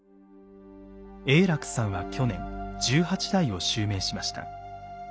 永樂さんは去年十八代を襲名しました。